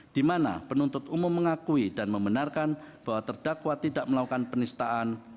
di mana penuntut umum mengakui dan membenarkan bahwa terdakwa tidak melakukan penistaan